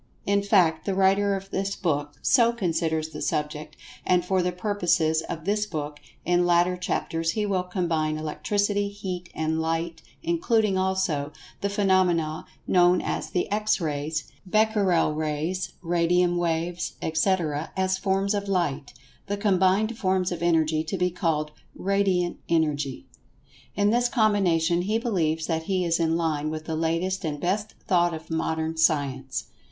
In fact, the writer of this book so considers the subject, and for the purposes of this book, in later chapters, he will combine Electricity, Heat, and Light, including, also, the phenomena known as the X Rays, Becquerel Rays, Radium waves, etc., as forms of Light—the combined forms of Energy to be called "Radiant Energy." In this combination, he believes that he is in line with the latest and best thought of Modern Science.